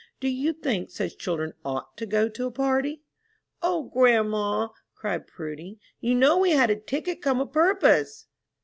Do you think such children ought to go to a party?" "O, grandma," cried Prudy, "you know we had a ticket come a purpose!"